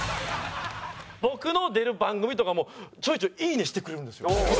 僕の出る番組とかもちょいちょい「いいね！」してくれるんですよ。